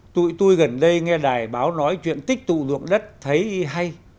tụi tôi gần đây nghe đài báo nói chuyện tích tụ dụng đất thấy hay